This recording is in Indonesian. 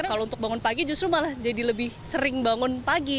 kalau untuk bangun pagi justru malah jadi lebih sering bangun pagi